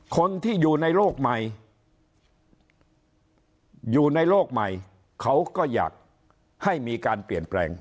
คนที่อยู่ในโลกใหม่อยู่ในโลกใหม่เขาก็อยากให้มีการเปลี่ยนแปลง